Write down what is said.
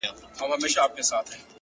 دي روح کي اغښل سوی دومره!!